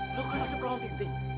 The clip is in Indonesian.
lu kan masih berhenti henti